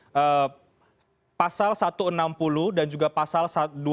ada pasal satu ratus enam puluh dan juga pasal dua ratus enam belas